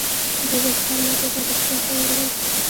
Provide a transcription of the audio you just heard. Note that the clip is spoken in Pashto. دوی به چرم او ټوکر کسبګرو ته ووړل.